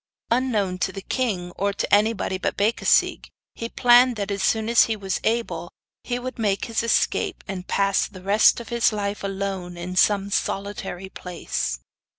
Unknown to the king, or to anybody but Becasigue, he planned that, as soon as he was able, he would make his escape and pass the rest of his life alone in some solitary place.